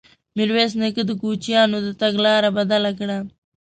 ميرويس نيکه د کوچيانو د تګ لاره بدله کړه.